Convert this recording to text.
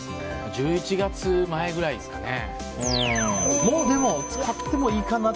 １１月前ぐらいですかね。